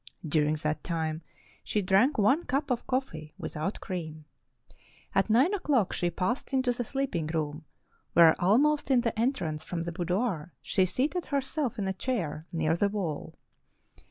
During that time she drank one cup of coffee, without cream. At nine o'clock she passed into the sleeping room, where almost in the entrance from the boudoir she seated herself in a chair near the wall.